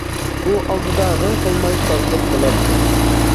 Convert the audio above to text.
ئۇ ئالدىدا غىڭ قىلماي تازىلىق قىلاتتى.